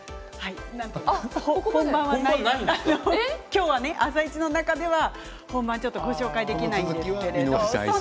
今日は「あさイチ」の中では本番はちょっとご紹介できないんですけれども。